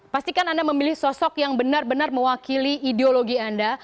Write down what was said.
pastikan anda memilih sosok yang benar benar mewakili ideologi anda